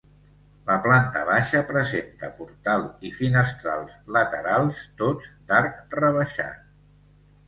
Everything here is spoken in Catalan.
La planta baixa presenta portal i finestrals laterals tots d'arc rebaixat.